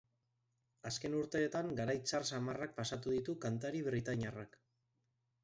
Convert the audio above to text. Azken urteetan garai txar xamarrak pasatu ditu kantari britainiarrak.